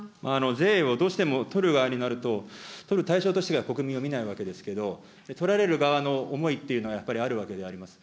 税をどうしても取る側になると、取る対象としてしか国民を見ないわけですけれども、取られる側の思いってのはやっぱりあるわけであります。